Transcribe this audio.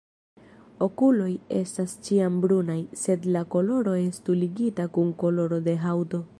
Okuloj estas ĉiam brunaj, sed la koloro estu ligita kun koloro de haŭto.